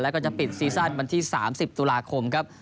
แล้วก็จะปิดซีซั่นวันที่๓๐ตุลาคมครับ